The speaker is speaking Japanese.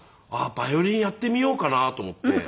バイオリンやってみようかなと思って。